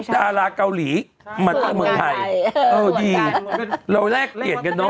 ดาราเกาหลีเมืองไทยเออดีรักเตียนกันเน้อ